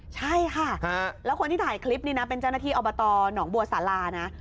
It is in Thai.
ใช่ค่ะแล้วคนที่ถ่ายคลิปนี้นะเป็นเจ้าหน้าที่อบตหนองบัวสารานะ